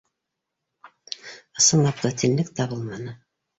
Ысынлап та, тинлек табылманы